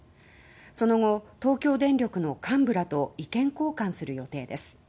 その後、東京電力の幹部らと意見交換する予定です。